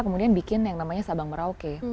kemudian bikin yang namanya sabang merauke